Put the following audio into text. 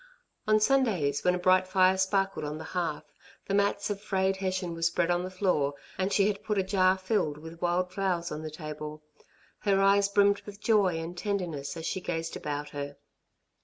On Sundays, when a bright fire sparkled on the hearth, the mats of frayed hessian were spread on the floor, and she had put a jar filled with wild flowers on the table, her eyes brimmed with joy and tenderness as she gazed about her.